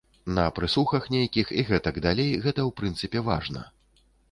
На прэсухах нейкіх і гэтак далей гэта, у прынцыпе, важна.